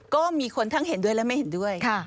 ก็มีคนทั้งเห็นด้วยและไม่เห็นด้วย